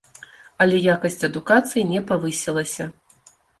Але якасць адукацыі не павысілася.